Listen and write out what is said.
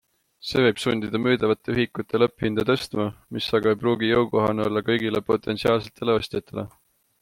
See võib sundida müüdavate ühikute lõpphinda tõstma, mis aga ei pruugi jõukohane olla kõigile potentsiaalsetele ostjatele.